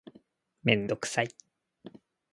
メンドクサイ